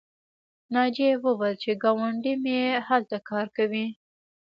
ناجیې وویل چې ګاونډۍ مې هلته کار کوي